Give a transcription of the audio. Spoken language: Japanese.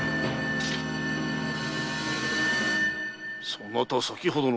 そなた先ほどの！